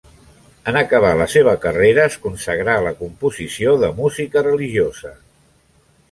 En acabar la seva carrera es consagrà a la composició de música religiosa.